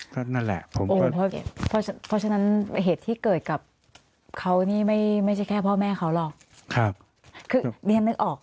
เพราะฉะนั้นเหตุที่เกิดกับเขานี่ไม่ใช่แค่พ่อแม่เขาหรอก